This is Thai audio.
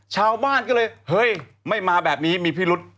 ชาวบ้านก็เลยเฮ้ยไม่มาแบบนี้มีพิรุษ